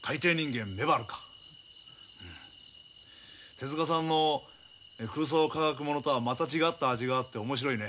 手さんの空想科学ものとはまた違った味があって面白いね。